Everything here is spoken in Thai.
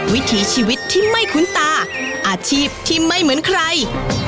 วิถีชีวิตที่ไม่คุ้นตาอาชีพที่ไม่เหมือนใคร